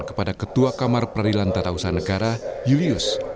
kepada ketua kamar peradilan tata usaha negara julius